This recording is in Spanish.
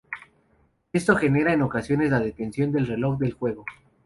Esto genera en ocasiones la detención del reloj del juego.